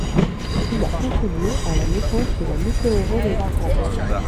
Il a contribué à la naissance de la météorologie.